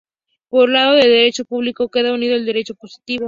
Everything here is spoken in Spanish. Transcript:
Por un lado, el derecho público queda unido al derecho positivo.